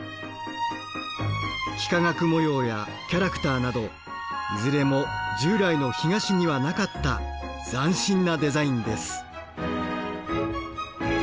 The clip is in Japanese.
幾何学模様やキャラクターなどいずれも従来の干菓子にはなかった斬新なデザインです。